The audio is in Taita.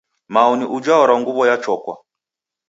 Mao ni ujha warwa nguw'o ya chokwa.